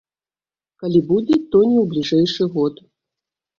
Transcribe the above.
Калі будзе, то не ў бліжэйшы год.